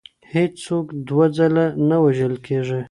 هیڅ څوک دوه ځله نه وژل کیږي.